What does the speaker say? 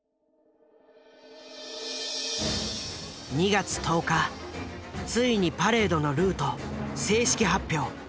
２月１０日ついにパレードのルート正式発表。